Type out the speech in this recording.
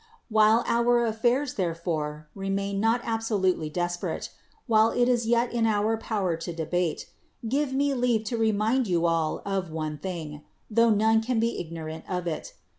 While our affairs, therefore, remain not ab solutely desperate — while it is yet in our power to debate — give me leave to remind you all of one thing, tho none can be ignorant of it.